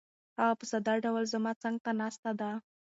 هغه په ساده ډول زما څنګ ته ناسته ده.